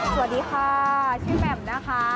สวัสดีค่ะชื่อแหม่มนะคะ